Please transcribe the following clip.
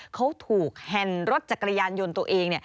เขาถูกแฮนด์รถจักรยานยนต์ตัวเอง